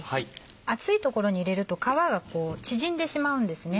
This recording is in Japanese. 熱い所に入れると皮が縮んでしまうんですね。